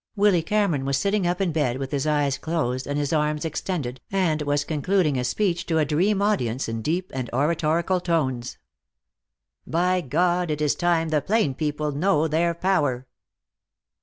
Willy Cameron was sitting up in bed with his eyes closed and his arms extended, and was concluding a speech to a dream audience in deep and oratorical tones. "By God, it is time the plain people know their power."